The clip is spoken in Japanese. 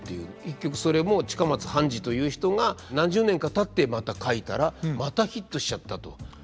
結局それも近松半二という人が何十年かたってまた書いたらまたヒットしちゃったと。